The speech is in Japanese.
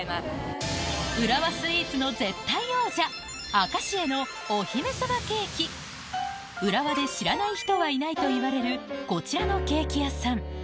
浦和の皆さんに聞いた浦和で知らない人はいないといわれるこちらのケーキ屋さん